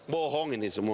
bohong ini semua